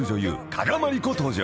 加賀まりこ登場］